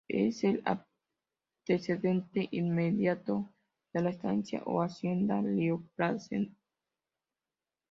Es el antecedente inmediato de la estancia, o hacienda rioplatense.